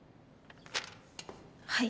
はい。